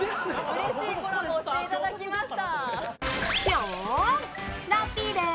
うれしいコラボをしていただきました。